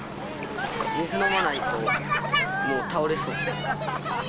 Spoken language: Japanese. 水飲まないと、もう倒れそう。